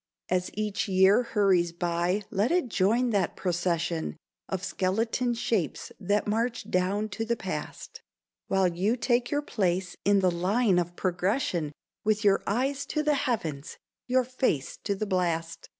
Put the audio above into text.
As each year hurries by, let it join that procession Of skeleton shapes that march down to the past, While you take your place in the line of progression, With your eyes to the heavens, your face to the blast.